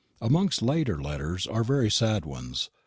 Amongst later letters are very sad ones.